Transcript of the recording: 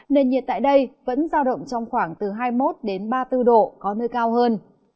nền nhiệt tại đây vẫn giao động trong khoảng từ hai mươi một ba mươi bốn độ có nơi cao hơn